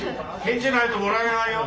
返事ないともらえないよ。